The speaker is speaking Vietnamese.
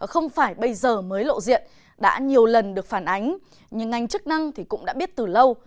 không phải bây giờ mới lộ diện đã nhiều lần được phản ánh nhưng ngành chức năng cũng đã biết từ lâu